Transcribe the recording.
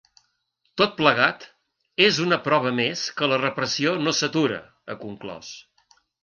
Tot plegat és “una prova més que la repressió no s’atura”, ha conclòs.